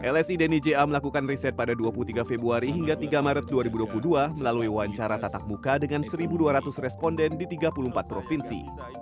lsi dnija melakukan riset pada dua puluh tiga februari hingga tiga maret dua ribu dua puluh dua melalui wawancara tatap muka dengan satu dua ratus responden di tiga puluh empat provinsi